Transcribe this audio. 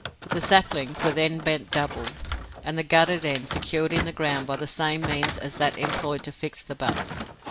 The saplings were then bent double, and the gutted ends secured in the ground by the same means as that employed to fix the butts.